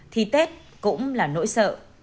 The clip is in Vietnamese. thì tết cũng là nỗi sợ